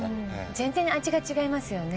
全然味が違いますよね。